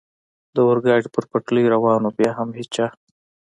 د اورګاډي پر پټلۍ روان و، بیا هم هېڅ چا.